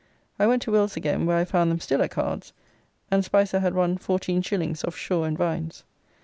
I went to Will's again, where I found them still at cards, and Spicer had won 14s. of Shaw and Vines.